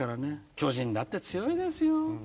巨人だって強いですよ。